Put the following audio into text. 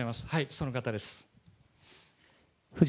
その方です。